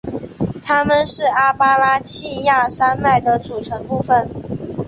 它们是阿巴拉契亚山脉的组成部分。